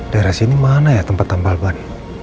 daerah sini mana ya tempat tambal ban